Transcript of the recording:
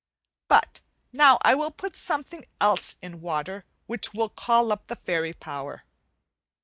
But now I will put something else in water which will call up the fairy power.